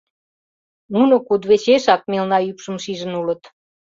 Нуно кудывечешак мелна ӱпшым шижын улыт.